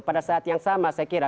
pada saat yang sama saya kira